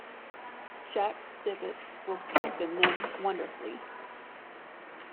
Jack Stivetts will strengthen them wonderfully.